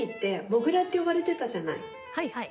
はいはい。